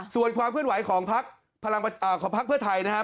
ส่วนความเคลื่อนไหวของพักเพื่อไทยนะครับ